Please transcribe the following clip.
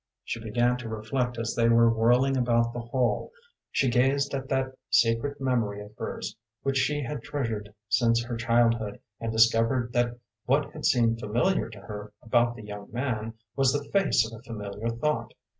She began to reflect as they were whirling about the hall, she gazed at that secret memory of hers, which she had treasured since her childhood, and discovered that what had seemed familiar to her about the young man was the face of a familiar thought.